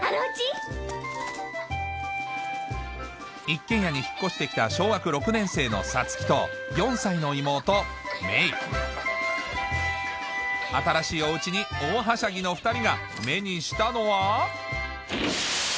一軒家に引っ越して来た小学６年生のサツキと４歳の妹メイ新しいお家に大はしゃぎの２人が目にしたのは